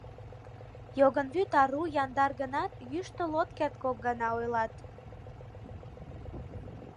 Йогынвӱд ару, яндар гынат, Йӱштыл от керт кок гана, ойлат.